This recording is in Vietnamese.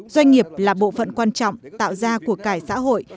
doanh nghiệp là bộ phận quan trọng tạo ra của cải xã hội